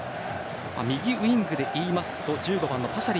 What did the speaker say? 右ウイングで言いますと１５番のパシャ